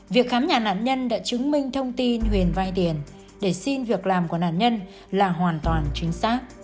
việc khám nhà nạn nhân đã chứng minh thông tin huyền vai tiền để xin việc làm của nạn nhân là hoàn toàn chính xác